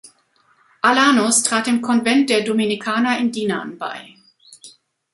Alanus trat dem Konvent der Dominikaner in Dinan bei.